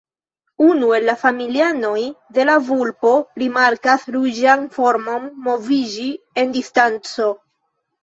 Unu el la familianoj de la vulpo rimarkas ruĝan formon moviĝi en distanco.